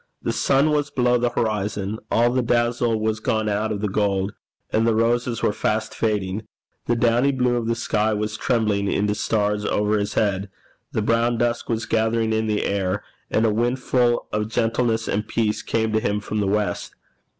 The sun was below the horizon; all the dazzle was gone out of the gold, and the roses were fast fading; the downy blue of the sky was trembling into stars over his head; the brown dusk was gathering in the air; and a wind full of gentleness and peace came to him from the west.